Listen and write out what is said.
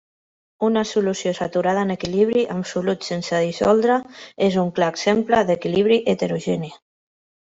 Una solució saturada en equilibri amb solut sense dissoldre, és un clar exemple d'equilibri heterogeni.